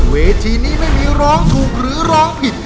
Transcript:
เวทีนี้ไม่มีร้องถูกหรือร้องผิด